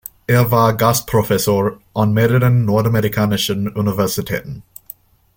Er war Gastprofessor an mehreren nordamerikanischen Universitäten.